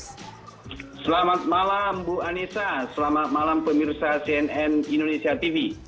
selamat malam bu anissa selamat malam pemirsa cnn indonesia tv